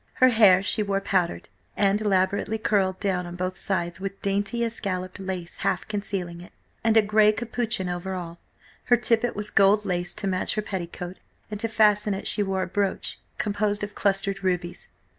Her hair she wore powdered and elaborately curled down on both sides with dainty escalloped lace half concealing it, and a grey capuchin over all. Her tippet was gold laced to match her petticoat, and to fasten it she wore a brooch composed of clustered rubies.